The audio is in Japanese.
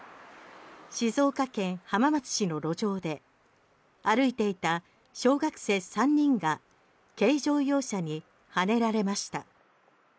静岡県浜松市の路上で歩いていた小学生３人が軽乗用車にはねられました。